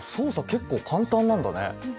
結構簡単なんだね。